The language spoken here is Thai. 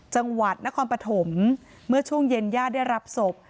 จังหวัดนครปฐมเมื่อช่วงเย็นญาติได้รับศพ